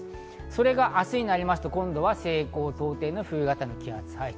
これが明日になりますと今度は西高東低の冬型の気圧配置。